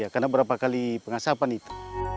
karena berapa kali pengasapan itu